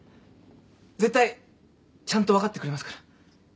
絶対ちゃんと分かってくれますから。